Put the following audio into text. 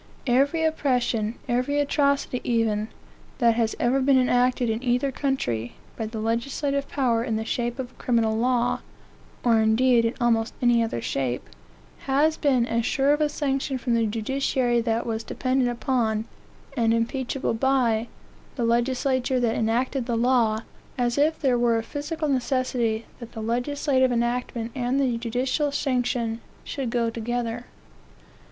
Every oppression, every atrocity even, that has ever been enacted in either country, by the legislative power, in the shape of a criminal law, (or, indeed, in almost any other shape,) has been as sure of a sanction from the judiciary that was dependent upon, and impeachable by, the legislature that enacted the law, as if there were a physical necessity that the legislative enactment and the judicial sanction should go together.